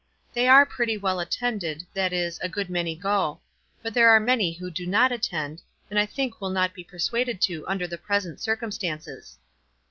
"They are pretty well attended — that is, a good many go. But there are many who do not attend, and I think will not be per suaded to under the present circumstances.